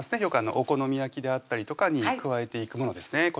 よくお好み焼きであったりとかに加えていくものですね